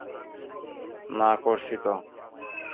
না, করছি তো!